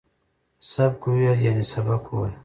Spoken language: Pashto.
سبک وویه ، یعنی سبق ووایه